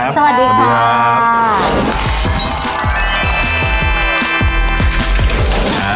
สวัสดีครับ